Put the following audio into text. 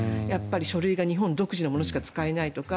書類が日本独自のものしか使えないとか。